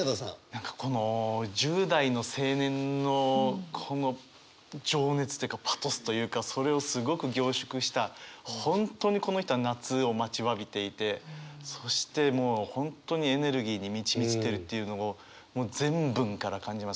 何かこの１０代の青年のこの情熱というかパトスというかそれをすごく凝縮した本当にこの人は夏を待ちわびていてそしてもう本当にエネルギーに満ち満ちてるっていうのをもう全文から感じますよね。